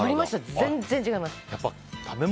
全然違います。